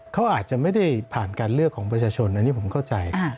เขาอาจจะไม่ได้ผ่านการเลือกของประชาชนอันนี้ผมเข้าใจ